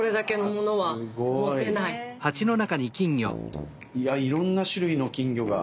いやいろんな種類の金魚が。